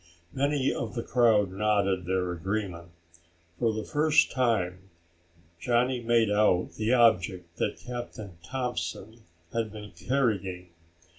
Many of the crowd nodded their agreement. For the first time Johnny made out the object that Captain Thompson had been carrying.